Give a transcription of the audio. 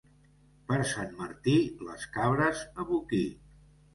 Per Sant Martí, les cabres a boquir.